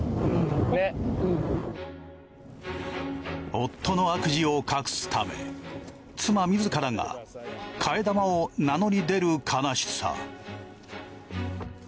夫の悪事を隠すため妻自らが替え玉を名乗り出る悲しさ。